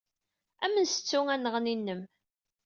Ad am-nessettu anneɣni-nnem.